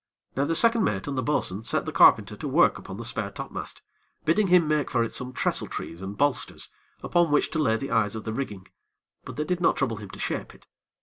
Now, the second mate and the bo'sun set the carpenter to work upon the spare topmast, bidding him make for it some trestle trees and bolsters, upon which to lay the eyes of the rigging; but they did not trouble him to shape it.